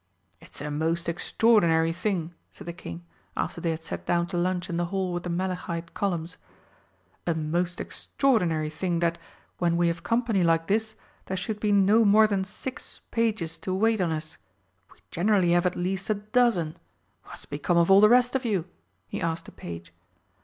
"It's a most extraordinary thing," said the King, after they had sat down to lunch in the hall with the malachite columns, "a most extraordinary thing, that, when we have company like this, there should be no more than six pages to wait on us! We generally have at least a dozen. What's become of all the rest of you?" he asked a page.